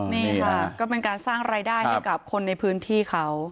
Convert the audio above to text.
นี่ค่ะก็เป็นการสร้างรายได้ให้กับคนในพื้นที่เขา